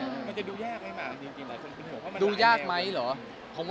มันจะดูแยกไหมมากจริงนะ